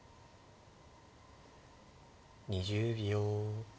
２０秒。